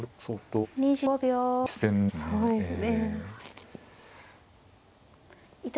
そうですね。